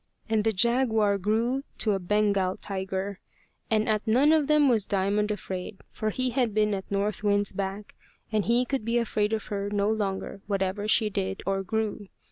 And the jaguar grew to a Bengal tiger. And at none of them was Diamond afraid, for he had been at North Wind's back, and he could be afraid of her no longer whatever she did or grew.